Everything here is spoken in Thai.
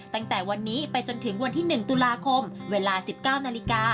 ตั้งแต่วันนี้ไปจนถึงวันที่๑ตุลาคมเวลา๑๙นาฬิกา